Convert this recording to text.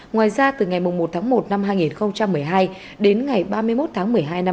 ngoài ra từ ngày một tháng một năm hai nghìn một mươi hai đến ngày ba mươi một tháng một mươi hai năm hai nghìn một mươi chín